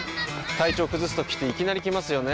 体調崩すときっていきなり来ますよね。